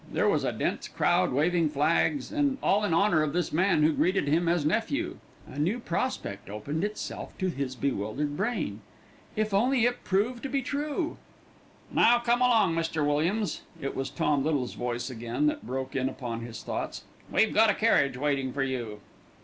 There was a dense crowd waving flags, and all in honour of this man who greeted him as nephew. A new prospect opened itself to his bewildered brain. If only it prove to be true! "Now, come along, Mr. Williams." It was Tom Little's voice again that broke in upon his thoughts. "We've got a carriage waiting for you."